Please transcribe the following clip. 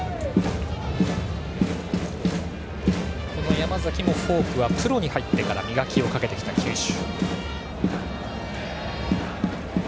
山崎もフォークはプロに入ってから磨きをかけてきた球種。